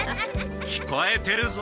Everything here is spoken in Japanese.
聞こえてるぞ。